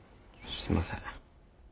すみません。